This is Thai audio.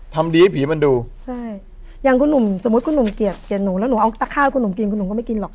ทำดีให้ผีมันดูใช่อย่างคุณหนุ่มสมมุติคุณหนุ่มเกลียดเกลียดหนูแล้วหนูเอาตะข้าวให้คุณหนุ่มกินคุณหนุ่มก็ไม่กินหรอก